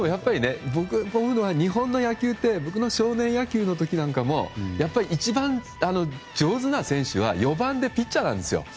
僕、こういうのは日本の野球って僕の少年野球の時も一番上手な選手は４番でピッチャーなんですよ。